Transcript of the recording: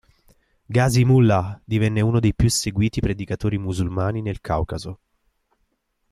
Ghazi Mullah divenne uno dei più seguiti predicatori musulmani nel Caucaso.